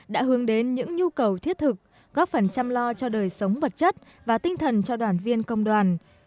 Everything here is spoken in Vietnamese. đã hướng đến những nhu cầu thiết thực góp phần chăm lo cho đời sống vật chất và tinh thần cho đoàn viên công đoàn